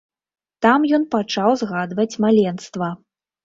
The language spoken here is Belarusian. Там ён пачаў згадваць маленства.